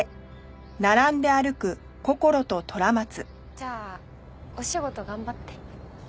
じゃあお仕事頑張って。